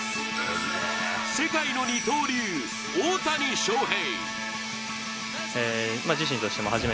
世界の二刀流、大谷翔平。